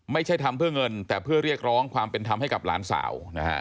ไม่ใช่ทำเพื่อเงินแต่เพื่อเรียกร้องความเป็นธรรมให้กับหลานสาวนะฮะ